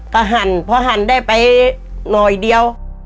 ก็หั่นพอหั่นได้ไปหน่อยเดียว